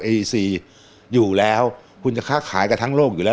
เอซีอยู่แล้วคุณจะค้าขายกันทั้งโลกอยู่แล้ว